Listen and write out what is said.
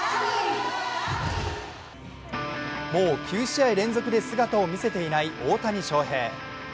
もう９試合連続で姿を見せていない大谷翔平。